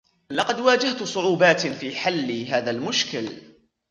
لقد واجهت صعوبات في حلٌ هذا المشكل